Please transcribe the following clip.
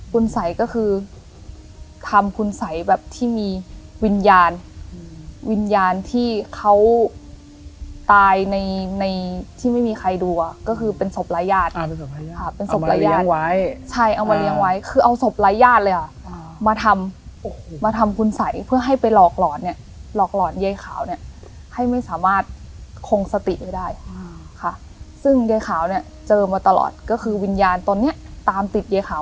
คุณสัยก็คือทำคุณสัยแบบที่มีวิญญาณอืมวิญญาณที่เขาตายในในที่ไม่มีใครดูอ่ะก็คือเป็นศพร้ายญาณอ่าเป็นศพร้ายญาณอ่าเป็นศพร้ายญาณอ่าเป็นศพร้ายญาณเอามาเลี้ยงไว้ใช่เอามาเลี้ยงไว้คือเอาศพร้ายญาณเลยอ่ะอ่ามาทำโอ้โหมาทำคุณสัยเพื่อให้ไปหลอกหล